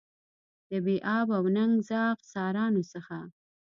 د بې آب او ننګ زاغ سارانو څخه.